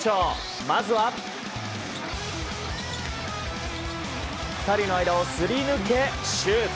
まずは２人の間をすり抜けシュート。